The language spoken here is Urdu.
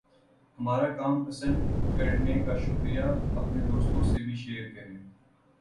ہمارا کام پسند کرنے کا شکریہ! اپنے دوستوں سے بھی شیئر کریں۔